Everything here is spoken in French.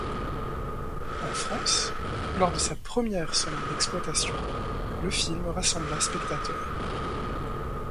En France, lors de sa première semaine d'exploitation, le film rassembla spectateurs.